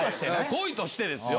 恋としてですよ。